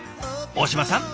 大島さん